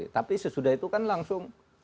tapi sesudah itu kan langsung